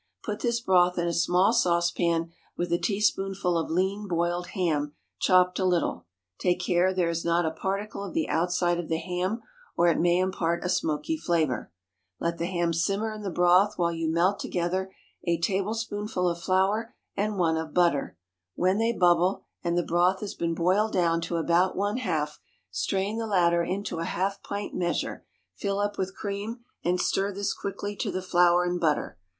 Put this broth in a small saucepan with a teaspoonful of lean boiled ham chopped a little (take care there is not a particle of the outside of the ham, or it may impart a smoky flavor); let the ham simmer in the broth while you melt together a tablespoonful of flour and one of butter; when they bubble, and the broth has been boiled down to about one half, strain the latter into a half pint measure, fill up with cream, and stir this quickly to the flour and butter.